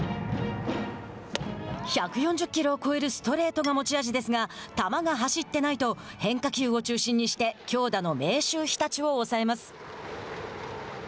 １４０キロを超えるストレートが持ち味ですが「球が走ってない」と変化球を中心にして強打の明秀日立を抑えます。